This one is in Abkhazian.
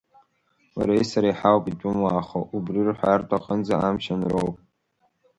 Уареи сареи ҳауп итәымуаахо, убри рҳәартә аҟынӡа амч анроу.